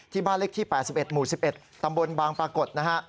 บ้านเลขที่๘๑หมู่๑๑ตำบลบางปรากฏนะฮะ